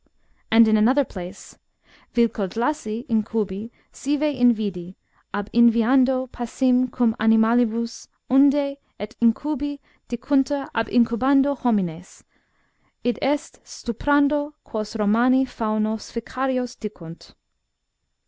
And in another place :" Vilkodlaci, incnbi, sive invidi, ab inviando passim cum animalibus, undo et incubi dicuntur ab iucubando homines, i. e. stuprando, quos Romani faunos ficarios dicunt.